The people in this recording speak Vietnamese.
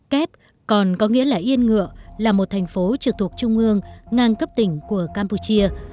kép còn có nghĩa là yên ngựa là một thành phố trực thuộc trung ương ngang cấp tỉnh của campuchia